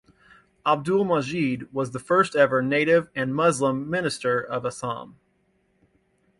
Abdul Majid was the first ever native and Muslim Minister of Assam.